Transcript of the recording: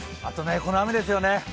あとこの雨ですよね。